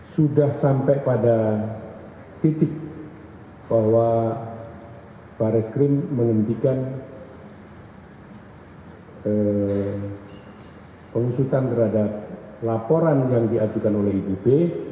sudah sampai pada titik bahwa baris krim menghentikan pengusutan terhadap laporan yang diajukan oleh ibup